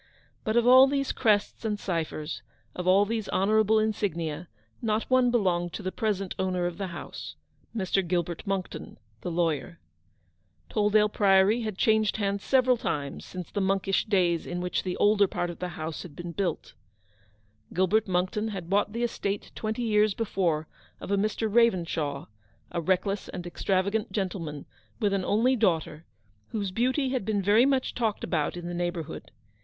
But of all these crests and ciphers, of all these honourable insignia, not one belonged to the present owner of the house — Mr. Gilbert Monckton, the lawyer. Tolldale Priory had changed hands several times since the monkish days in which the older part of the house had been built. Gilbert THE SHADOW ON GILBERT MO>*CKTO>~'s LIFE. 313 Monckton had bought the estate twenty years before of a Mr. Ptavenskaw, a reckless and extra vagant gentleman, with an only daughter, whose beauty had been very much talked about in the neighbourhood.